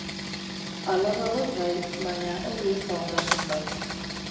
Alaba bat bai, baina hori ez da ondasun bat.